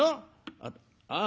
「あっああ